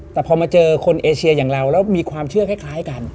แต่พอมาเจอคนเอเชียอย่างเราแล้วมีความเชื่อคล้ายกัน